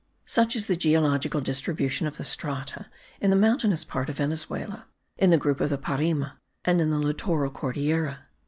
Such is the geological distribution of strata in the mountainous part of Venezuela, in the group of the Parime and in the littoral Cordillera.